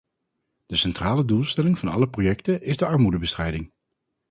De centrale doelstelling van alle projecten is de armoedebestrijding.